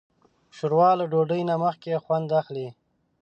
ښوروا له ډوډۍ نه مخکې خوند اخلي.